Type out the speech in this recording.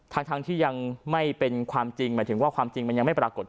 ทั้งที่ยังไม่เป็นความจริงหมายถึงว่าความจริงมันยังไม่ปรากฏ